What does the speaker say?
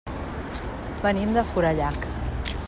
Venim de Forallac.